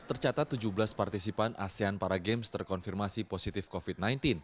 tercatat tujuh belas partisipan asean para games terkonfirmasi positif covid sembilan belas